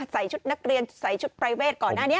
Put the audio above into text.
ใส่ชุดนักเรียนใส่ชุดปรายเวทก่อนหน้านี้